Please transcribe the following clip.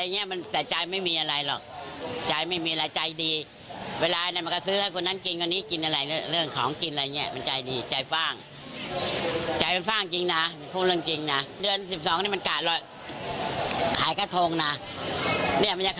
เนี่ยมันจะขายกระทงนะเนี่ยแล้วมันค่ะมันตายแล้ว